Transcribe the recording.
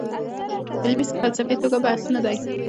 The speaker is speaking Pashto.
علمي فلسفي توګه بحث نه دی.